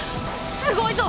すごいぞ！